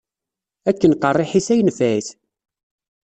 Akken qerriḥit ay nefɛit.